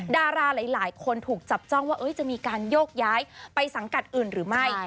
ดาราหลายคนถูกจับจ้องว่าจะมีการโยกย้ายไปสังกัดอื่นหรือไม่